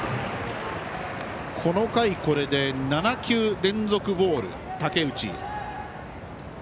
この回、これで７球連続ボール武内。